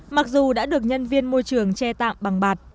mặc dù đã được nhân viên môi trường che tạm bằng bạt